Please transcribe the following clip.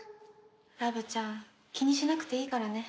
ラブちゃん気にしなくていいからね。